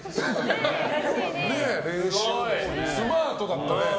スマートだったね。